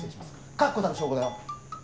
確固たる証拠だよ